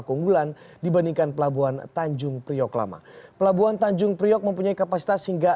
keunggulan dibandingkan pelabuhan tanjung priok lama pelabuhan tanjung priok mempunyai kapasitas hingga